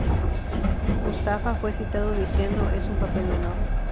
Mustafa fue citado diciendo, "Es un papel menor".